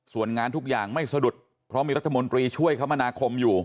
ส่วนงานทุกอย่างไม่สะดุดเพราะมีรัฐมนตรีช่วยคมนาคมอยู่